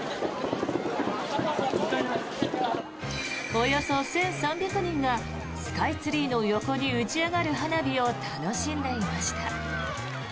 およそ１３００人がスカイツリーの横に打ち上がる花火を楽しんでいました。